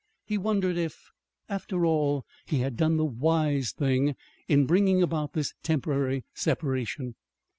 He wondered if, after all, he had done the wise thing in bringing about this temporary separation.